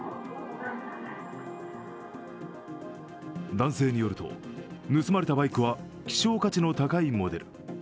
男性によると、盗まれたバイクは希少価値の高いモデル。